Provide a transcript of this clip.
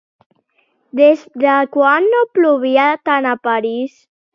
Des de quan no plovia tant a París?